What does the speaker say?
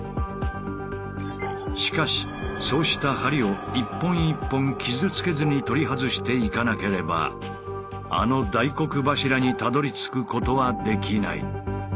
しかしそうした梁を１本１本傷つけずに取り外していかなければあの大黒柱にたどりつくことはできない。